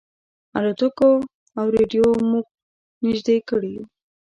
الوتکو او رېډیو موږ نيژدې کړي یو.